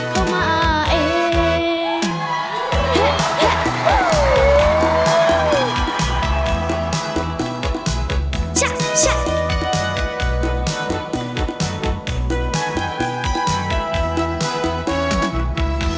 เข้ามาเอง